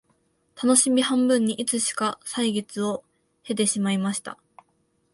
たのしみ半分にいつしか歳月を経てしまいました